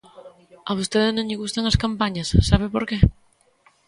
A vostede non lle gustan as campañas, ¿sabe por que?